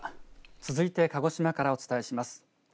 続いて鹿児島からお伝えします。